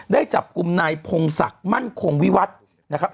ได้จับกลุ่มนายพงศักดิ์มั่นคงวิวัตรนะครับ